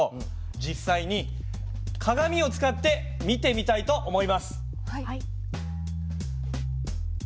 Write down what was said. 実際に鏡を使って見てみたいと思います。